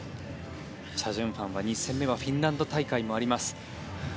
チャ・ジュンファンは２戦目はフィンランド大会もあります。